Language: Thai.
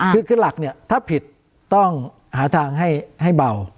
เพิ่มขึ้นหลักนี่ถ้าผิดต้องหาทางให้เบา